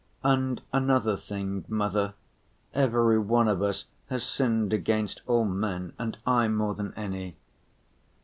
And another thing, mother, every one of us has sinned against all men, and I more than any."